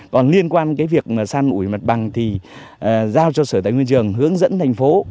còn liên quan việc san ủi mặt bằng thì giao cho sở tài nguyên trường hướng dẫn thành phố